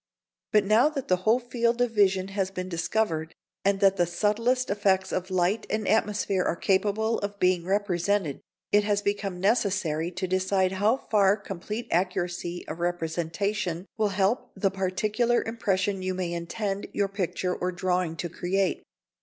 But now that the whole field of vision has been discovered, and that the subtlest effects of light and atmosphere are capable of being represented, it has become necessary to decide how far complete accuracy of representation will help the particular impression you may intend your picture or drawing to create.